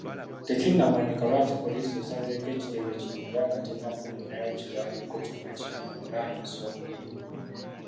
Tekinnamanyika lwaki poliisi esazeeko ekitebe kino era nga tennafulumyawo kiwandiiko kyonna kinnyonnyola nsonga eno